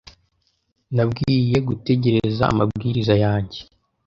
Nabwiye gutegereza amabwiriza yanjye.